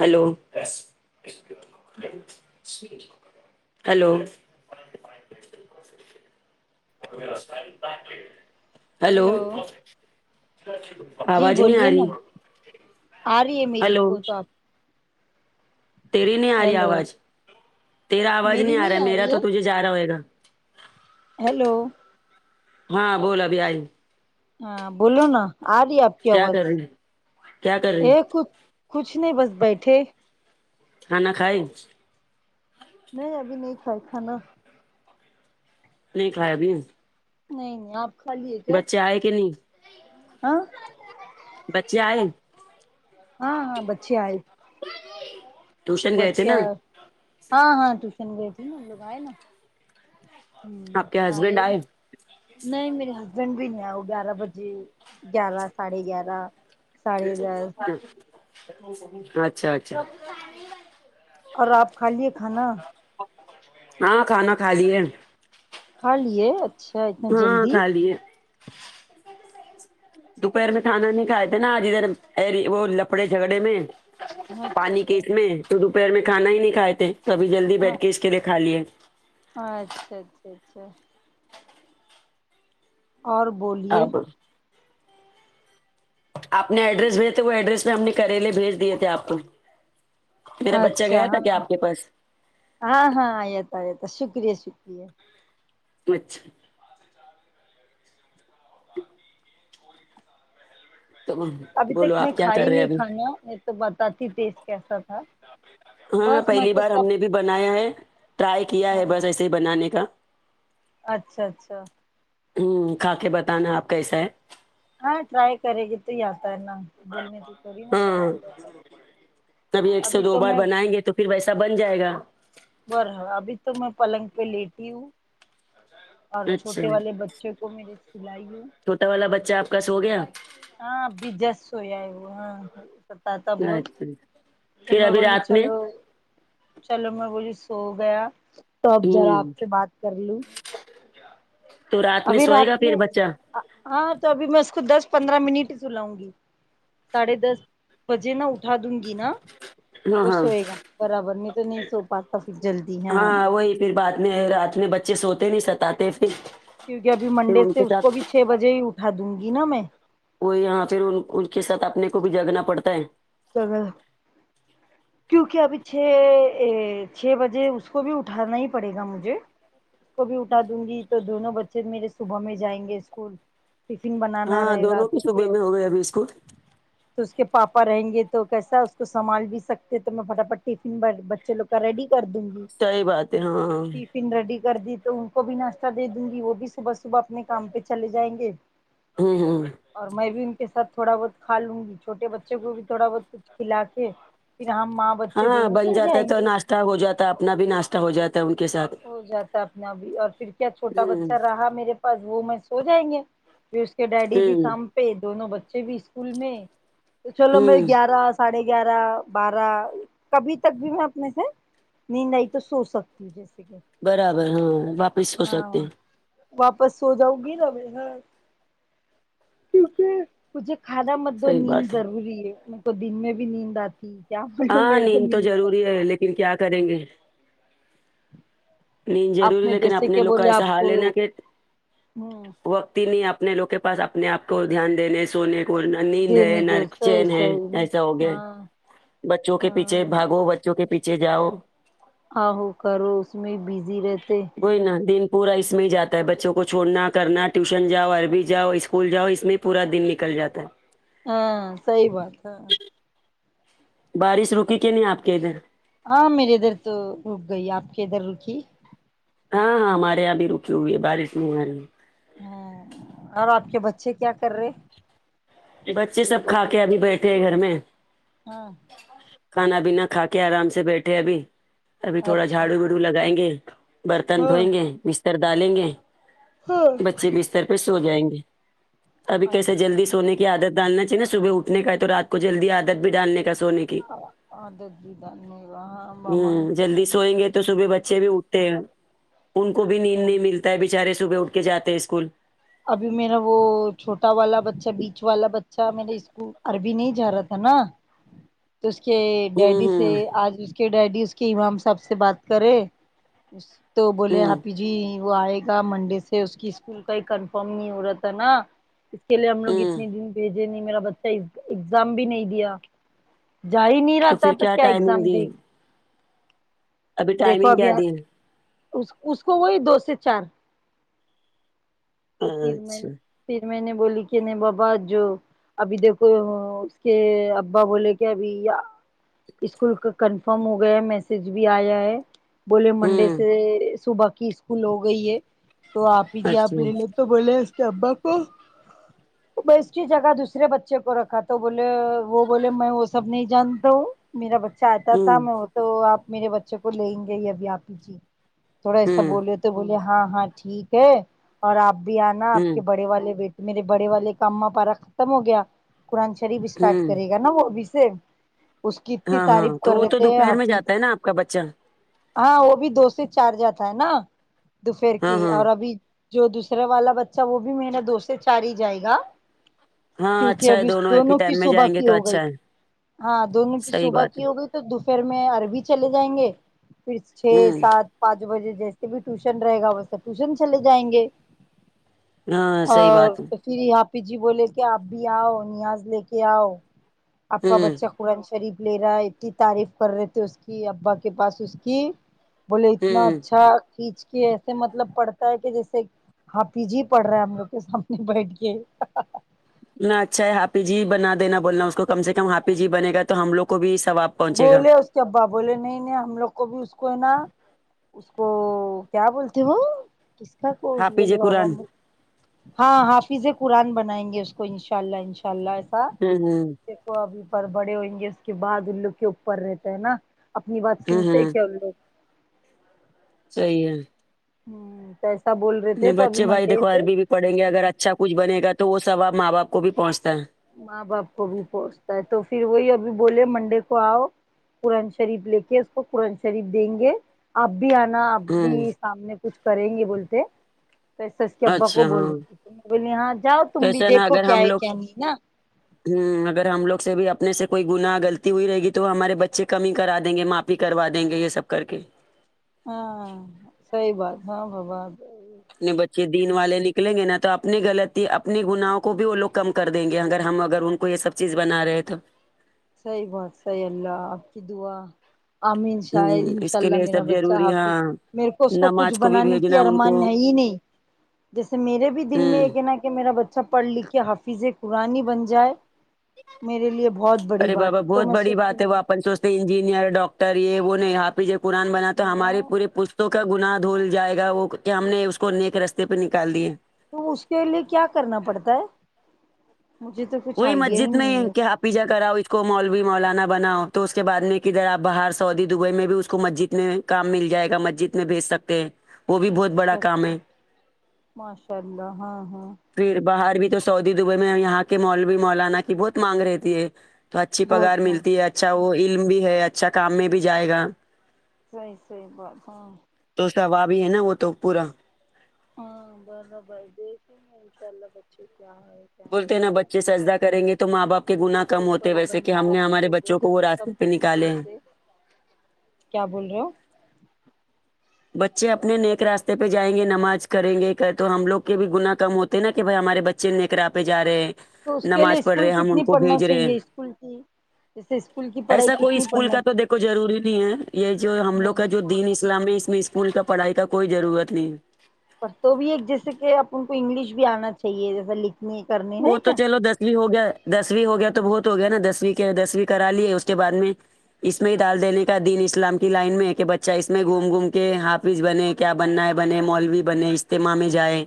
Hello hello hello hello جی آواز نہیں آ بولیے نا رہی آ رہی ہے میری ہلو کو تو آپ تیری نہیں آ رہی ہیلو آواز تیرا آواز میری نہیں آ رہا میرا رہی تو ہے تجھے جا رہا ہوئے گا ہیلو ہاں بول ابھی آئی ہاں بولو نا آ رہی ہے آپ کی کیا آواز کر رہی کیا کر اے رہی کچھ کچھ نہیں بس بیٹھے کھانا کھای نہیں ابھی نہیں کھائی کھانا نہیں کھایا ابھی نہیں نہیں آپ کھا لیے کیا بچے آئے کہ نہیں ہاں بچے آئے ہاں ہاں بچے آئے ٹیوشن گئے تھے نا بچا ہاں ہاں ٹیوشن گئے تھے نا ان لوگ آئے نا آپ کے ہسبینڈ آئے نہیں میرے ہسبینڈ بھی نہیں آ وہ گیارہ بجے گیارہ ساڑھے گیارہ ساڑھے دس اچھا اچھا اور آپ کھا لیے کھانا ہاں کھانا کھا لیے کھا لیے اچھا اتنا ہاں جلدی کھا لیے دوپہر میں کھانا نہیں کھائے تھے نا ج ادھر اری وہ لپڑے جھگڑے میں اچھا پانی کے اچھا اس میں تو دوپہر میں کھانا ہی نہیں کھاے تھے تبھی جلدی ہاں بیٹھ کے اس کے دے کھا لیے اچھا اچھا اچھا اور بولیے اب آپ نے ایڈریس بھیج تھے وہ ایڈریس میں ہم نے کریلے بھیج دیے تھے آپ کو میرا بچہ اچھا گیا تھا ہاں کیا آپ کے پاس ہاں ہاں آیا تھا آیا تھا شکریہ شکریہ وچھ تو ابھی بولو تک میں آپ کیا کر کھائی رہے ہیں نہیں ابھی کھانا یہ تو بتاتی ٹیسٹ کیسا تھا ہاں بس میں پہلی تو بار ہم سب نے بھی بنایا ہے ٹرائی کیا ہاں، ہے بس ایس سے بنانے کا اچھا اچھا ہوں کھا کے بتانا آپ کیسا ہے ہاں ٹرائی کرریے گت تر نا بولنے سے تھوڑی نا ہاں سواد جاتا ایک سے ابھی دو تو بار میں بنائیں گے تو پھر ویسا بن جائے گا بر ابھی تو میں پلنگ پہ لیٹی ہوں اور اچھا چھوٹے والے بچوں کو میری سلائی ہوں چھوٹا والا بچہ آپ کا سو گیا ہاں ابی جسٹ سویا ہے وہ تاتا بت اچھا تو پھر میں ابھی بولی رات میں چلو چلو میں بولی سو گیا تو اب ذرا آپ ہوں سے بات کر لوں تو میں ابھی سوئے رات گا پھر میں بچہ ہاں تو ابھی میں اس کو دس پندرہ منٹ سلاؤں گی ساڈے دس بجے نا اٹھا دوں گی نا ہاں تو ہاں سوئے گا برابر نہیں تو نہیں سو پاتا پھر جلدی ہاں پھر بعد میں رات میں بچے سوتے نہیں ستاتے پھر کیونک ابھی پھر منڈے ان سے کے اس کو ساتھ بھی چھ بجے ہی اٹھا دوں گی نا میں وہ یہاں پھر ان کے ساتھ اپنے کو بھی جاگنا پڑتا ہے سگا ج کیونکہ ابھی چھ چھ بجے اس کو بھی اٹھانا ہی پڑے گا مجھے کو بھی اٹھا دوں گی تو دونوں بچے میرے صبح میں جائیں گے اسکول ٹفن بنانا ہاں رہے گا دونوں تو کی اس کے صبح میں ہو گئے ابھی اسکول تو اس کے پاپا رہیں گے تو کیسا اس کو سنبال بھی سکتے تو میں فٹافٹ ٹفن بچے لوگ کا ریڈی کر دوں گی صحیح بات ہے ہاں پن رڈی کر دی تو ان کو بھی ناشتہ دے دوں گی وہ بھی صبح صبح اپنے کام پہ چلے جائیں گے ہمم ہمم اور میں بھی ان کے سات تھوڑا بہت کھا لوں گی چھوٹے بچوں کو بھی تھوڑا بہت کچھ کھلا کے پھر ہماں ہاں بن جاتا ہے تو ناشتہ ہو جاتا ہے اپنا بھی ناشتہ ہو جاتا ہے ان کے ساتھ ہو جاتا اپنا بھی اور پھر کیا چھوٹا ہوں بچہ رہا میرے پاس وہ میں سو جائیں گے پھر اس کے ڈیڈی بھی ہوں کام پہ دونوں بچے بھی اسکول میں تو چلو میں ہوں گیارہ ساڑھے گیارہ بارہ کبھی تک بھی میں اپنے سے نیند آئی تو سو سکتی ہوں برابر ہاں واپس ہو سکتے ہاں ہیں واپس سو جاؤں گی نا میں گھر کیونکہ مجھے کھانا مت دو صحیح نیند بات ہے ضروری ہے میں تو دن میں بھی نیند آتی کیا بولوں ہاں میرے کو نیند تو کا ضروری ہے لیکن کیا کریں گے نین آپ ضروری نے لیکن جیسے اپنے کہ لوگ کا بولے ایسا آپ کو حال ہینا کہ ہوں وقتی نہیں اپنے لوگ کے پاس اپنے آپ کو دھیان دینے سونے پورن نیند ہے دینے کو نرک صحیح چین ہے ایسا ہو صحیح گیا ہاں بچوں کے پیچھے ہاں بھاگو بچوں کے پیچھے جاؤ آو کرو اس میں بزی رہتے وہئی نا دن پورا اس میں ہی جاتا ہے بچوں کو چھوڑنا کرنا ٹیوشن جاؤ عربی جاؤ اسکول جاؤ اس میں پورا دن نکل جاتا ہے ہاں صحیح بات ہے بارش رکی کہ نہیں آپ کے ادھر ہاں میرری ادھر تو رک گئی آپ کے ادھر رکی ہاں ہاں ہمارے یہاں بھی رکی ہوئی ہے بارش نہیں آ رہی ہے ہ اور آپ کے بچے کیا کر رہے بچے سب کھا کے ابھی بیٹھے ہیں گھر میں ہاں کھانا پینا کھا کے آرام سے بیٹھے ابھی ابھی تھوڑا اچھا جھاڑو بڑ لگائیں گے برتن ہاں دھوئیں گے بستر ڈالیں گے ہاں بچے بستر پہ سو جائیں گے ابھی کیسے اچھا جلدی سونے کے کہ عدت ڈالنااہیے ن صبح اٹھنے کا تو رات کو جلدی ع آدت بھی ڈالنے کا سونے کی آد عداتھ جی دالنے و ہاں ہم یہ تو صبح بچے بھی اٹتے ان کو بھی نیند نہیں ملتا ہے بچارے صبح اٹھ کے جاتے ہیں اسکول ابھی میرا وہ چھوٹا والا بچہ بیچ والا بچہ میرے اسکول عربی نہیں جا رہا تھا نا تو اس کے ہوں ڈیڈی سے ہوں آج اس کے ڈیڈی اس کے امام صاحب سے بات کرے تو بولے ہوں ہاپی جی وہ آئے گا منڈے سے اس کی اسکول کایں کنفرم نہیں ہو رہا تھا نا کے لیے ہم لوگ ہوں اتنے دن بھیجے نہیں میرا بچہ ایگزام بھی نہیں دیا جا ہی نہیں رہتا پھر تو کیا ٹائمنگ ایگزام دی دے ہے؟ گ ابھی ٹائمنگ کیا دئے اس اس کو وہی دو سے چار تو ہے؟ پھر میں اچھا پھر میں نے بولی کہ نہیں بابا جو ابھی دیکھو اس کے ابا بولے کہ ابھی اسکول کا کنفرم ہو گیا ہے میسج بھی آیا ہے بولے منڈے ہوں سے صبح کی اسکول ہو گئی ہے تو آپ ہیجی اچھا آپ ہوں لے لو تو بولے اس کے ابا کو ب اس کی جگہ دوسرے بچے کو رکھا تو بولے وہ بولے میں وہ سب نہیں جانتا ہوں میرا بچہ آتا تھا ہوں میں وہ تو آپ میرے بچے کو لیں گے ہی ابھی آپ ہی جی تھوڑا ایسا ہوں بولے تو بولے ہاں ہاں ٹھیک ہے اور آپ بھی آنا آپ کے بڑے والے بیٹ میرے بڑے والے کا اما پارا ختم ہو گیا قرآن شریف اسٹارٹ ہوں کرے گا نا وہ ابھی سے اس کی اتنی ہاں ہاں تعریف تو کر وہ رہے تو تھ ہیں دوپہر میں آپ ہی جاتا ہے نا آپ کا بچہ ہاں وہ بھی دو سے چار جاتا ہے نا دوفیر ہاں کی ہاں اور ابھی جو دوسرا والا بچہ وہ بھی میرا دو سے چار ہی جائے گا ہاں کیونکہ اچھا ہے ابھی ایک ہی دونوں کی ٹائم میں صبح جائیں گے کی تو ہو گئی اچھا ہے ہاں دونوں کی صحیح صبح بات ہے کی ہو گئی تو تو دوفیر میں عربی چلے جائیں گے پھر چھ ہمم سات پانچ بجے جیسے بھی ٹیوشن رہے گا ویسے ٹیوشن چلے جائیں گے ہاں صحیح اور بات ہے پھر حافظ جی بولے کہ آپ بھی آؤ نیاز لے کے آؤ آپ کا ہمم بچہ قرآن شریف لے رہا ہے اتنی تعریف کر رہے تھے اس کی ابا کے پاس اس کی بولے اتنا ہمم اچھا کھینچ کے ایسے مطلب پڑت کہ جیسے حافظ جی پڑھ رہے ہم لوگ کے سامنے بیٹھ کے نہ اچھا ہے حافظ جی بنا دینا بولنا اس کو کم سے کم حافظ جی بنے گا تو ہم لوگ کو بھی سواب بولے اس کے ابا بولے نہیں نہیں ہم لوگ کو بھی اس کو ہے نا اس کو کیا بولتے ہو کس کا کوس حافظ بولے بابا قرآن ہاں حافظ قرآن بنائیں گے اس کو ان شاء اللہ انشاء اللہ ایسا ہوں ہوں کو ابھی پر بڑے ہوئیں گے اس کے بعد ان لوگ کے اوپر رہتے ہینا اپنی بات ہمم سنتے ہمم کیا ان لوگ صحیح ہے ہ تو ایسا بول رہے تھے تو ابھی منڈے سے پڑیں گے اگر اچھا کچھ بنے گا تو وہ سباب ماں باپ کو بھی پہنچتا ہے ماں باپ کو بھی پہنچتا ہے تو پھر وہی ابھی بولے منڈے کو آؤ قرآن شریف لے کے اس کو قرآن شریف دیں گے اب بھی آنا ا بھی ہمم سامنے کچھ کریں گے بولتے توایسا کے ابا کو اچھا بول ہاں رہے تھے بولی ہاں جاؤ تم بھی کیسا دیکھو کیا ہے کیا نہیں نا ہوں اگر ہم لگ سے بھی اپنے سے کوئی گنا غلتی ہوئی رہے گی تو ہمارے بچے کمی کرا دیں گے ماں بھی کروا دیں گے یہ سب کر کے ہاں ساہی بات ہاں با با اپنے بچے دین والے نکلیں گے نا تو اپنی غلطی اپنے گنااہں کو بھی وہ لوگ کم کر دیں گے اگر ہم اگران کو یہ سب چیز بنا رہے تو صحیح بات صحیح اللہ آپ کی دعا امین ہ شاید ان اس شاء کے اللہ لیے میرا سب بچہ ضروری حافظ ہاں میرے کو اس کو کچھ نماز بھی بنانے کی بھیجنا ان کو ارمان ہے ہی نہیں جیسے میرے بھی دل میں ہوں ایک ہے نا کہ میرا بچہ اچھا پڑھ لکھ کے حفیظ قرآان ہی بن جائے میرے لیے بہت بڑی ارے بات بابا ہے تو بہت میں بڑی سوچوں بات ہے وپن انجینئر ڈاکٹر یہ وہ نہیں حافظ قرآن بنا گی تو نا ہماری پوری اسکا گنا دھول جائے گا وہ کہ ہم نے اس کو نیک رستے پہ نکال دیے تو اس کے لیے کیا کرنا پڑتا ہے مجھے تو کچھ کوئی آئیڈیا ہی مسجد نہیں ہے کہ آپ حفضہ کراؤ اس کو مولوی مولانا بناؤ تو اس کے بعد میں کدھر آپ باہر سعودی دبئی میں بھی اس کو مسجد میں کام مل جائے گا مسجد میں بھیج سکتے ہیں وہ بھی بہت بڑا اچھا کام اچھا ہے ماشاء اللہ ہاں ہاں پھر باہر بھی تو سعودی دبئی میں یہاں کے مولوی مولانا کی بہت مانگ رہتی ہے تو اچھی بہت پگار ماں ملتی ہے اچھا وہ علم بھی ہے اچھا کام میں بھی جائے گا صحیح صحیح بات ہاں تو ثواب ہی ہے نا وہ تو پورا ہاں برابر دیکھیں گے انشاء اللہ بچے کیا ہے کیا بولتے نہیں نا ہے بچے سجدا کریں گے تو ماں باپ کے ان گنا کم ہوتے اوپر ویسے کہ بننے ہم کو نے اپن ہمارے تو بچوں کو بولنے وہ سب راست پہ نکالے ہیں بولتے کیا بول رہے ہو بچے اپنے نیک راستے پہ جائیں گے نماز کریں گے تو ہم لوگ کے بھی گنا کم ہو تے نا کہ بھائی ہمارے بچے نیک راےہ پے جا رہے ہیں تو اس کے لیے نماز پڑھ رہے اسکول ہم ان کتنی کو پڑھنا بھیج رہے چاہیے اسکول کی جیسے اسکول کی پڑھائی ایسا کوئی کتنی اسکول پڑھنا کا تو دیکھو ضروری نہیں ہے یہ جو ہم لوگ کا نہیں جو دین اسلامی کوئی اسکول کا پڑھائی کا کوئی ضرورت نہیں ہے پر تو بھی ایک جیسے کہ اب ان کو انگلش بھی آنا چاہیے جیسا لکھ نہیں کرنا وہ تو چلو دس دو ہو گیا دسویں ہو گیا تو بہت ہو گیا نا دسویں کے دسویں کرا لی ہے اس کے بعد میں اس میں ہی ڈال دینے کا دن اسلام کی لائن میں ہے کہ بچہ اس میں گھوم گھوم کے ہاتھ فج بنے کیا بننا ہے بنے مولوی بنے اجتماع میں جائے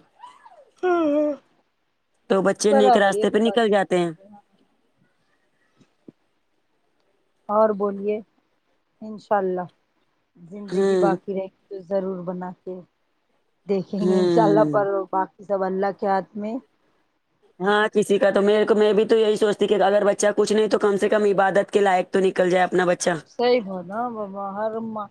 تو بچے نیک برابر یہ راستے بھی پہ بات نکل صحیح جاتے ہیں ہے۔ اور بولیے انشاء اللہ زندگی ہوں باقی رہے تو ضرور بنا کے دیکھیں گے انشاء اللہ ہوں پر بق سب اللہ کے ہاتھ میں ہاں کسی کا تو میرے کو میں بھی تو یہی سوچتی کہ اگر بچہ کچھ نہیں تو کم سے کم عبادت کے لائق تو نکل جائے اپنا بچہ صحیح ہو نا بابا ہر ماں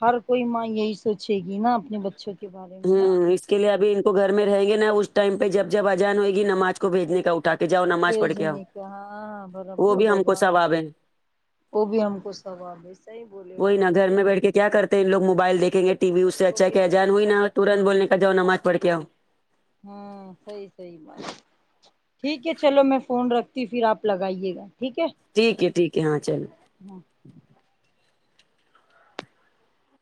ہر کوئی ماں یہی سوچے گی نا اپنے بچوں کے بارے میں ہاں ہوں اس کے لیے اب ان کو گھر میں رہیں گے نا اس ٹائم پہ جب جب اجان ہوئے گی نماز کو بھیجنے کا اٹھا کے جاؤ نماز پڑھ وج کے آؤ نہیں کا ہاں وہ برابر بھی ہم کو بابا ثواب ہے وہ بھی ہم کو سواب ہےسی بولے وہی نا وہ گھر بھی میں بیٹھ کے کیا کرتے ہیں لوگ موبائل دیکھ گ ٹی وی اس سے وہ اچھا بھی کہ ہم اجان کو ہوئی نا ثواب ترنت بولنے کااؤ نماز پڑھ کے آ ہو ہاں صحیح سی بات ٹھیک ہے چلو میں فون رکھتی ہ پھر آپ لگائیے گا ٹھیک ہے ٹھیک ہے ٹھیک ہے ہاں چلو ہاں